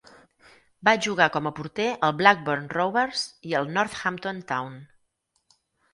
Va jugar com a porter al Blackburn Rovers i al Northampton Town.